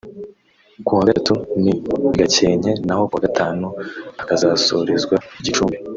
kuwa gatatu nii Gakenke naho kuwa gatanu hakazasorezwa i Gicumbi